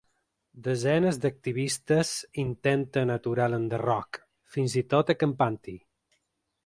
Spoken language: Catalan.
Desenes d’activistes intenten aturar l’enderroc, fins i tot acampant-hi.